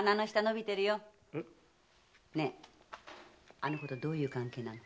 あの娘とどういう関係なの？